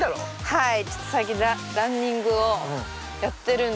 はい。